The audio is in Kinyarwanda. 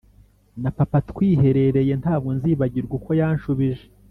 na papa twiherereye Ntabwo nzibagirwa uko yanshubije